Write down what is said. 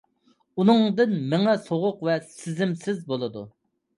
ئۇنىڭدىن مېڭە سوغۇق ۋە سېزىمسىز بولىدۇ.